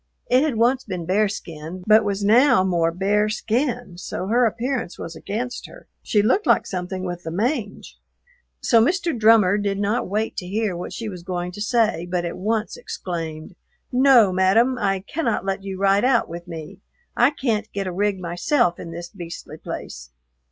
It had once been bearskin, but was now more bare skin, so her appearance was against her; she looked like something with the mange. So Mr. Drummer did not wait to hear what she was going to say but at once exclaimed, "No, madam, I cannot let you ride out with me. I can't get a rig myself in this beastly place."